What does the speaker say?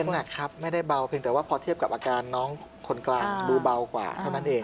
หนักครับไม่ได้เบาเพียงแต่ว่าพอเทียบกับอาการน้องคนกลางดูเบากว่าเท่านั้นเอง